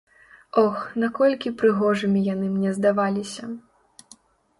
Ох, наколькі прыгожымі яны мне здаваліся.